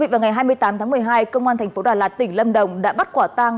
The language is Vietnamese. vào ngày hai mươi tám tháng một mươi hai công an tp đà lạt tỉnh lâm đồng đã bắt quả tăng